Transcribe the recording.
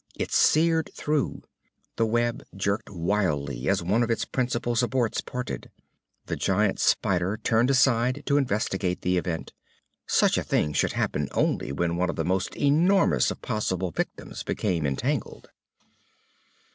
It seared through. The web jerked wildly as one of its principal supports parted. The giant spider turned aside to investigate the event. Such a thing should happen only when one of the most enormous of possible victims became entangled.